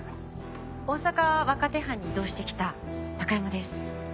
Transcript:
大阪若手班に異動してきた高山です。